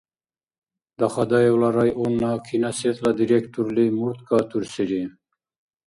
Дахадаевла районна киносетьла директорли мурт катурсири?